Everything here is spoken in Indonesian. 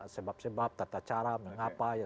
sebab sebab tata cara mengapa